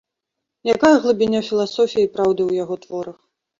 Якая глыбіня філасофіі і праўды ў яго творах.